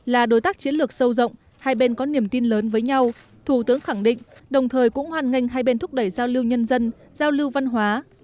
là đối tác chiến lược sâu rộng hai bên có niềm tin lớn với nhau thủ tướng khẳng định đồng thời cũng hoàn ngành hai bên thúc đẩy giao lưu nhân dân giao lưu văn hóa